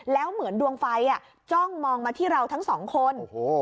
แล้วเหมือนดวงไฟจ้องมองมาที่เราทั้งสองคน